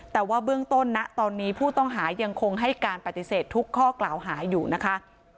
แต่ว่าเบื้องต้นนะตอนนี้ผู้ต้องหายังคงให้การปฏิเสธทุกข้อกล่าวหาอยู่นะคะ